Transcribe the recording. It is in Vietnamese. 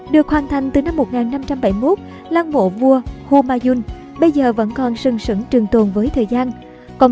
được hoàn thành từ năm một nghìn năm trăm bảy mươi một lăng mộ vua humayun bây giờ vẫn còn sừng sững trường tồn với thời gian